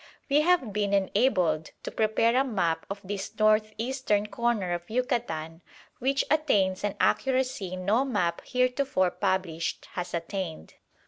We have been enabled to prepare a map of this north eastern corner of Yucatan, which attains an accuracy no map heretofore published has attained.